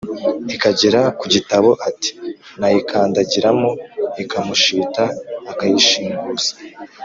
ikagera ku gitabo; ati: nayikandagiramo ikamushita akayishinguza,